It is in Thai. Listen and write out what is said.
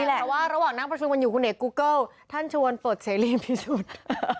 เพราะว่าระหว่างนั่งประชุมกันอยู่คุณเอกกูเกิลท่านชวนปลดเสรีพิสุทธิ์